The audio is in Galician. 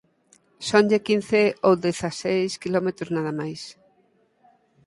Sonlle quince ou dezaseis quilómetros nada máis...